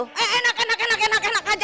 eh enak enak enak enak enak aja